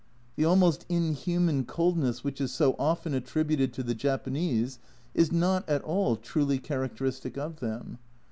The almost inhuman coldness which is so often attributed to the Japanese is not at all truly char acteristic of them.